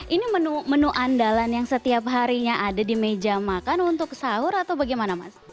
ini menu menu andalan yang setiap harinya ada di meja makan untuk sahur atau bagaimana mas